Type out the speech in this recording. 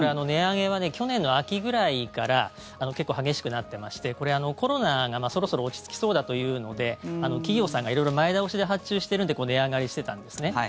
値上げは去年の秋ぐらいから結構激しくなっていましてこれはコロナがそろそろ落ち着きそうだというので企業さんが色々前倒しで発注しているので値上がりしていたんですね。